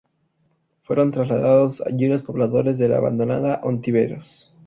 Fueron trasladados allí los pobladores de la abandonada Ontiveros.